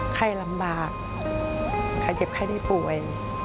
ไข้ลำบากใครเจ็บไข้ได้ป่วย